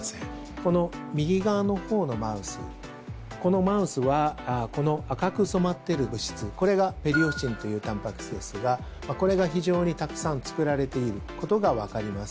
この右側のほうのマウス、このマウスはこの赤く染まっている物質、これがペリオスチンというたんぱく質ですが、これが非常にたくさん作られていることが分かります。